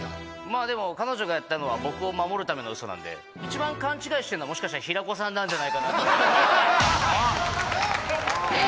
まあでも彼女がやったのはいちばん勘違いしてるのはもしかしたら平子さんなんじゃないかなと。